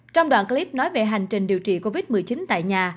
trong đoạn clip nói về hành trình điều trị covid một mươi chín tại nhà